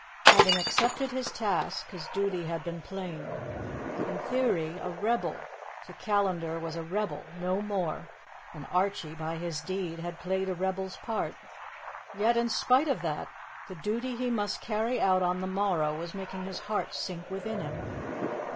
Having accepted his task, his duty had been plain. In theory, a rebel, to Callandar was a rebel, no more, and Archie, by his deed, had played a rebel's part; yet, in spite of that, the duty he must carry out on the morrow was making his heart sink within him.